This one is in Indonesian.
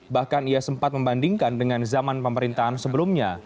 bahkan ia sempat membandingkan dengan zaman pemerintahan sebelumnya